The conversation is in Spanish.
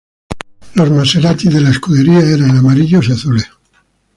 Los Maserati de la escudería eran amarillos y azules.